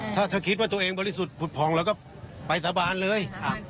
ถ้าคิดว่าตัวเองบริสุทธิ์ผุดผ่องเราก็ไปสาบานเลย